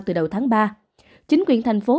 từ đầu tháng ba chính quyền thành phố